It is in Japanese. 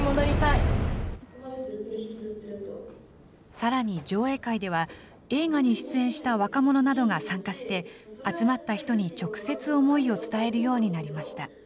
さらに上映会では、映画に出演した若者などが参加して、集まった人に直接思いを伝えるようになりました。